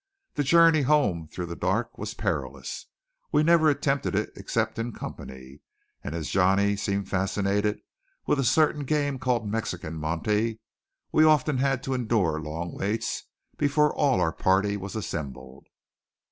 The journey home through the dark was perilous. We never attempted it except in company; and as Johnny seemed fascinated with a certain game called Mexican monte, we often had to endure long waits before all our party was assembled.